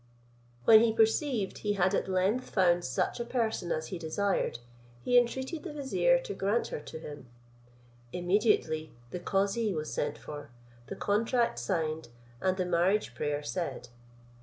When he perceived he had at length found such a person as he desired, he entreated the vizier to grant her to him. Immediately the cauzee was sent for, the contract signed, and the marriage prayer said.